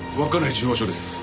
中央署です。